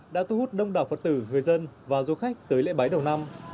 đã thu hút đông đảo phật tử người dân và du khách tới lễ bái đầu năm